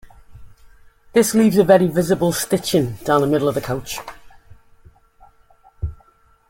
This leaves a very visible stitching down the middle of the couch.